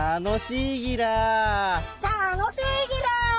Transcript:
たのしいギラ。